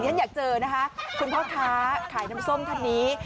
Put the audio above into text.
ฉันอยากเจอนะคะคุณพ่อค้าขายน้ำส้มท่านนี้